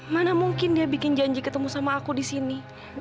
mana mungkin dia bikin janji ketemu sama aku di sini